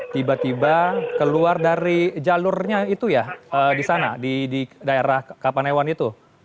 tiba tiba keluar dari jalurnya itu ya di sana di daerah kapanewon itu